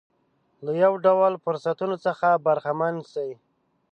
له یو ډول فرصتونو څخه برخمن شي.